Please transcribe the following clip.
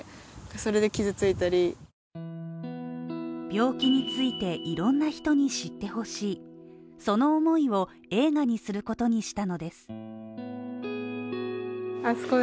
病気についていろんな人に知ってほしい、その思いを映画にすることにしたのです。